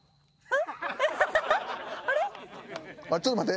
えっ？